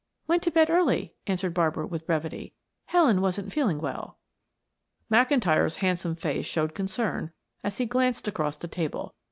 "Went to bed early," answered Barbara with brevity. "Helen wasn't feeling well." McIntyre's handsome face showed concern as he glanced across the table.